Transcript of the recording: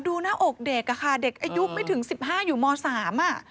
ดูหน้าอกเด็กอ่ะค่ะเด็กอายุไม่ถึง๑๕อยู่ม๓อ่ะ